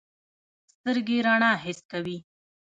سترګې رڼا حس کوي.